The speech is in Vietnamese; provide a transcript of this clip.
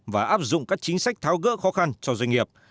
và áp dụng các chính sách tháo gỡ khó khăn cho doanh nghiệp